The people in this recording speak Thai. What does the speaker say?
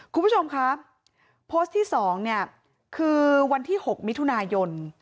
คุณผู้ชมครับโพสต์ที่๒เนี่ยคือวันที่๖มิถุนายน